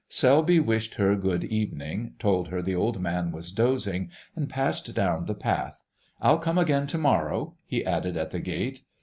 Selby wished her good evening, told her the old man was dozing, and passed down the path. "I'll come again to morrow," he added at the gate.